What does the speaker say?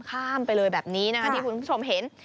ข้ามไปเลยแบบนี้นะคะที่คุณผู้ชมเห็น